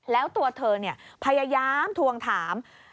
แล้วตัวเธอพยายามทวงถาม